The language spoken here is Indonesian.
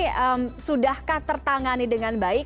ini sudahkah tertangani dengan baik